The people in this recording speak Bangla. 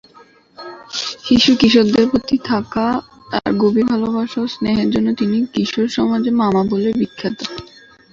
শিশু ও কিশোরদের প্রতি থাকা তাঁর গভীর ভালোবাসা ও স্নেহের জন্য তিনি কিশোর সমাজে "মামা" বলে বিখ্যাত।